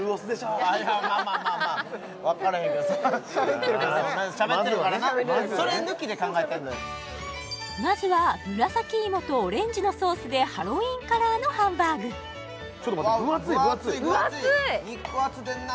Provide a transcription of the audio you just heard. まあまあまあ分からへんけどしゃべってるからねしゃべってるからなそれ抜きで考えとるでまずは紫イモとオレンジのソースでハロウィーンカラーのハンバーグちょっと待って肉厚でんな